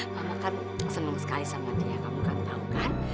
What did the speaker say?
mama kan senang sekali sama dia yang kamu kan tahu kan